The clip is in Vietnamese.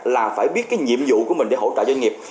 là phải biết cái nhiệm vụ của mình để hỗ trợ doanh nghiệp